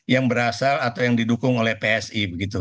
yang berasal atau yang didukung oleh psi begitu